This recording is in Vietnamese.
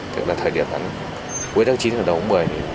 tức là thời điểm cuối tháng chín một mươi